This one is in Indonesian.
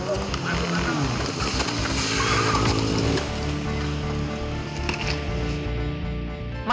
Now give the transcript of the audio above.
coba diman diman coba diman